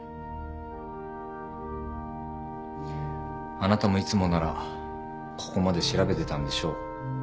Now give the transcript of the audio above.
あなたもいつもならここまで調べてたんでしょう。